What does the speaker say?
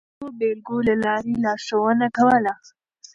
هغه د ښو بېلګو له لارې لارښوونه کوله.